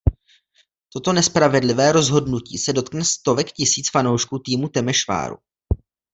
Toto nespravedlivé rozhodnutí se dotkne stovek tisíc fanoušků týmu Temešváru.